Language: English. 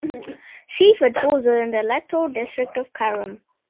Seaford falls within the Electoral district of Carrum.